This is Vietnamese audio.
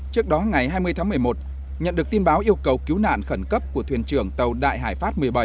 trước đó ngày hai mươi tháng một mươi một nhận được tin báo yêu cầu cứu nạn khẩn cấp của thuyền trưởng tàu đại hải pháp một mươi bảy